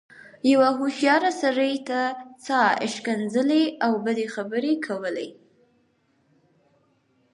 يوه هوښيار سړي ته چا ښکنځلې او بدې خبرې کولې.